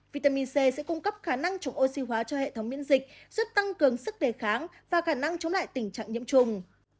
vitamin c sẽ cung cấp khả năng chủng oxy hóa cho hệ thống miễn dịch giúp tăng cường sức đề kháng và khả năng chống lại tình trạng nhiễm trùng